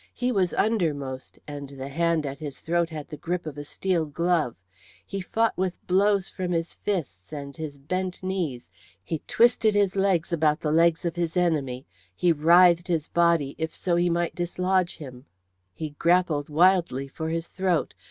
He was undermost, and the hand at his throat had the grip of a steel glove. He fought with blows from his fists and his bent knees; he twisted his legs about the legs of his enemy; he writhed his body if so he might dislodge him; he grappled wildly for his throat.